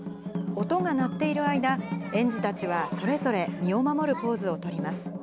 音が鳴っている間、園児たちはそれぞれ身を守るポーズを取ります。